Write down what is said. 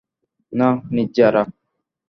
না, নির্জারা।